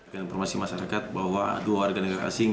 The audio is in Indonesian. dengan informasi masyarakat bahwa dua warga negara asing